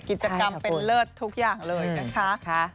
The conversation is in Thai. กิจกรรมเป็นเลิศทุกอย่างเลยนะคะ